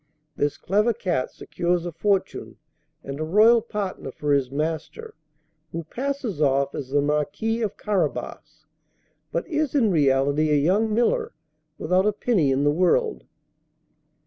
This clever cat secures a fortune and a royal partner for his master, who passes off as the Marquis of Carabas, but is in reality a young miller, without a penny in the world.